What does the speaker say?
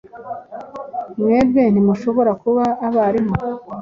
Mwebwe ntimushobora kuba abarimu